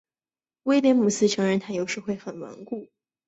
威廉姆斯承认他有时会很顽固。